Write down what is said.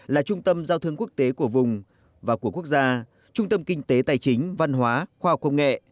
là trung tâm giao thương quốc tế của vùng và của quốc gia trung tâm kinh tế tài chính văn hóa khoa học công nghệ